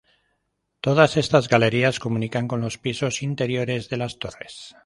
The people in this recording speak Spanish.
Todas estas galerías comunican con los pisos interiores de las torres.